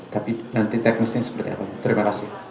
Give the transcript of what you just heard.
tapi nanti teknisnya seperti apa terima kasih